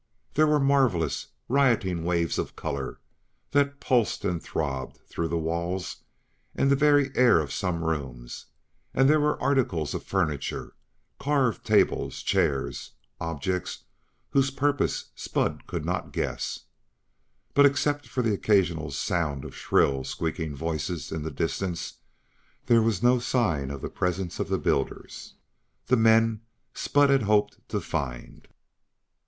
There were marvelous, rioting waves of color that pulsed and throbbed through the walls and the very air of some rooms; and there were articles of furniture carved tables, chairs objects whose purpose Spud could not guess. But, except for the occasional sound of shrill, squeaking voices in the distance, there was no sign of the presence of the builders, the men Spud had hoped to find.